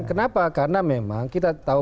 kenapa karena memang kita tahu